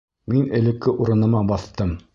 Мин элекке урыныма баҫтым.